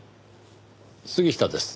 杉下です。